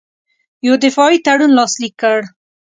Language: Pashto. یو دفاعي تړون لاسلیک کړ.